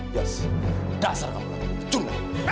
yus dasar kamu lakukan ini cunlah